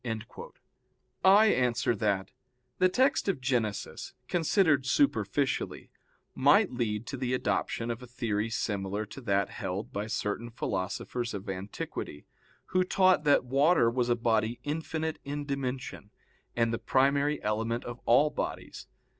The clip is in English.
I answer that, The text of Genesis, considered superficially, might lead to the adoption of a theory similar to that held by certain philosophers of antiquity, who taught that water was a body infinite in dimension, and the primary element of all bodies.